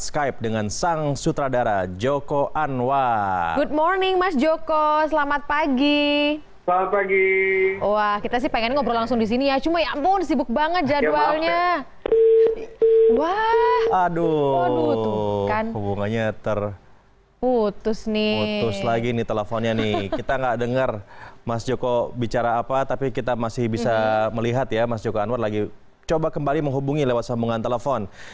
kita tidak dengar mas joko bicara apa tapi kita masih bisa melihat mas joko anwar lagi coba kembali menghubungi lewat sambungan telepon